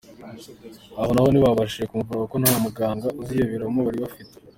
Aho naho ntibabashije kumuvura kuko nta muganga ubizobereyemo bari bafite.